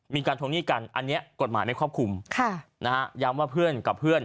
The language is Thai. ทวงหนี้กันอันนี้กฎหมายไม่ครอบคลุมค่ะนะฮะย้ำว่าเพื่อนกับเพื่อน